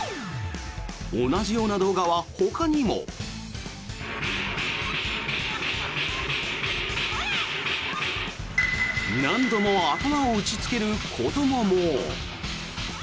同じような動画は、ほかにも。何度も頭を打ちつける子どもも。